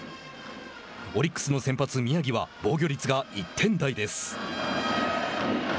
オリックスの先発、宮城は防御率が１点台です。